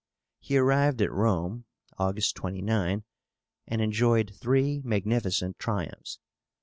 He arrived at Rome (August 29), and enjoyed three magnificent triumphs.